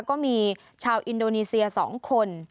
ก็มีชาวอินโดนีเซีย๒คน